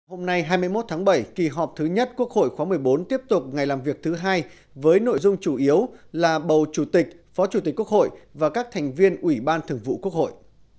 hôm nay hai mươi một tháng bảy kỳ họp thứ nhất quốc hội khóa một mươi bốn tiếp tục ngày làm việc thứ hai với nội dung chủ yếu là bầu chủ tịch phó chủ tịch quốc hội và các thành viên ủy ban thường vụ quốc hội